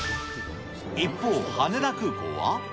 一方、羽田空港は。